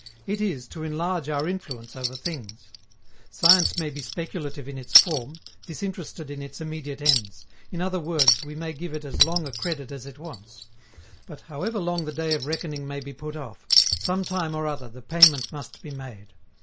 It is to enlarge our influence over things. Science may be speculative in its form, disinterested in its immediate ends; in other words we may give it as long a credit as it wants. But, however long the day of reckoning may be put off, some time or other the payment must be made.